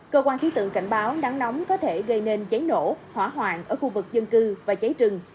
cơ quan khí tượng cảnh báo nắng nóng có thể gây nên cháy nổ hỏa hoạn ở khu vực dân cư và cháy rừng